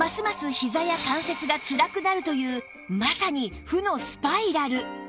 ひざや関節がつらくなるというまさに負のスパイラル